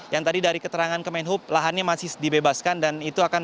yang tadi dari keterangan ke main hub lahannya masih dibebaskan